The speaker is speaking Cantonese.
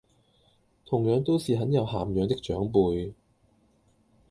同樣都是很有涵養的長輩